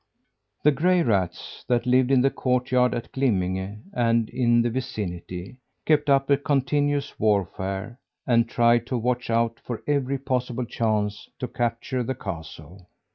The gray rats that lived in the courtyard at Glimminge and in the vicinity, kept up a continuous warfare and tried to watch out for every possible chance to capture the castle.